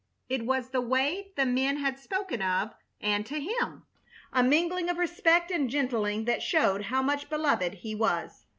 It was the way the men had spoken of and to him, a mingling of respect and gentling that showed how much beloved he was.